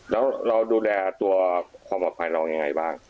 แล้วเราดูแลตัวความปลอดภัยเรายังไงบ้าง